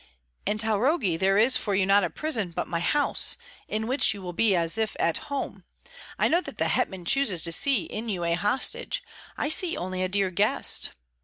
"In Taurogi there is for you not a prison, but my house, in which you will be as if at home. I know that the hetman chooses to see in you a hostage; I see only a dear guest."